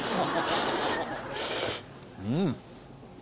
うん！